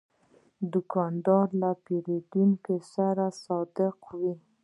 دوکاندار له پیرودونکو سره صادق وي.